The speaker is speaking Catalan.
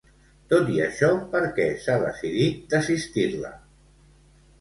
Tot i això, per què s'ha decidit desistir-la?